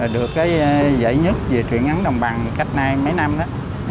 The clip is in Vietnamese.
được cái giải nhất về truyện ngắn đồng bằng cách nay mấy năm đó